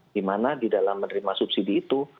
dimana didalam menerima subsidi itu